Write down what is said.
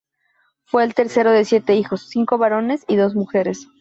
Fue el tercero de siete hijos, cinco varones y dos mujeres.